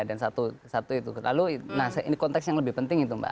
dan satu itu lalu nah ini konteks yang lebih penting itu mbak